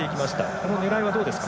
この狙いはどうですか。